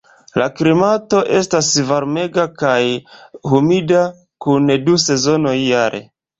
La klimato estas varmega kaj humida kun du sezonoj jare.